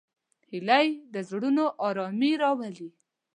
هیلۍ د زړونو آرامي راولي